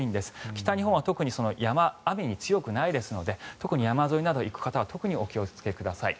北日本は特に山、雨に強くないですので山沿いなどに行く方は特にお気をつけください。